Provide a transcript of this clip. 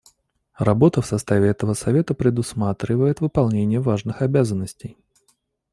Работа в составе этого Совета предусматривает выполнение важных обязанностей.